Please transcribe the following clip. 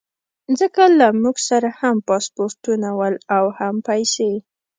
ځکه له موږ سره هم پاسپورټونه ول او هم پیسې.